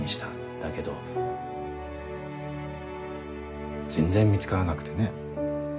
だけど全然見つからなくてね。